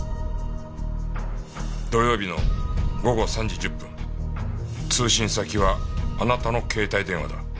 土曜日の午後３時１０分通信先はあなたの携帯電話だ。